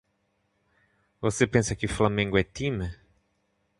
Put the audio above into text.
Você pensa que o flamengo é time?